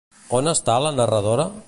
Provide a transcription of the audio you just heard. On està la narradora?